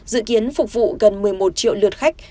dự kiến phục vụ gần một mươi một triệu lượt khách